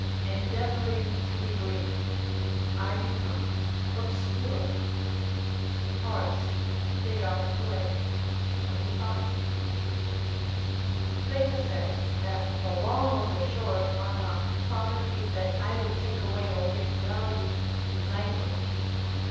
[ Endeavouring to be brief, I become obscure." Hor., Art. Poet., 25.] Plato says, that the long or the short are not properties, that either take away or give value to language.